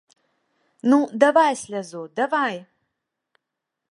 Ну, давай слязу, давай!